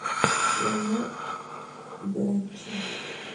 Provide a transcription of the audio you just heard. La Noë-Blanche